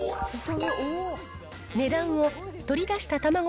値段を取り出したたまご